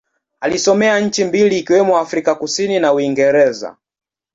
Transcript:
Alisomea nchi mbili ikiwemo Afrika Kusini na Uingereza.